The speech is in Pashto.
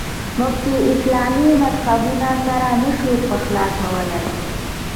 موږ چې اسلامي مذهبونه سره نه شو پخلا کولای.